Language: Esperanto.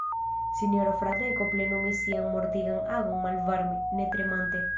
Sinjorino Fradeko plenumis sian mortigan agon malvarme, ne tremante.